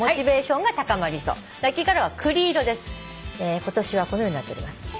今年はこのようになっております。